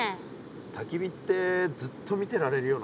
たき火ってずっと見てられるよな。